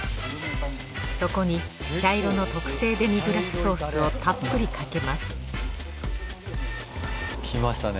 そこに茶色の特製デミグラスソースをたっぷりかけますきましたね。